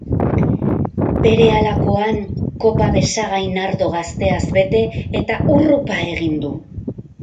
Berehalakoan, kopa Besagain ardo gazteaz bete, eta hurrupa egin du.